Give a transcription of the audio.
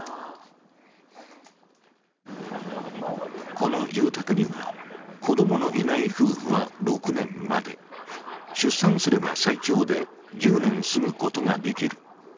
この住宅には子供のいない夫婦は６年まで、出産すれば最長で１０年住むことができる。